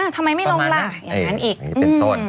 ทำไมไม่ลงล่ะอย่างนั้นอีก